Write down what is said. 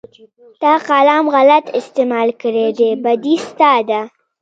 تا قلم غلط استعمال کړى دى بدي ستا ده.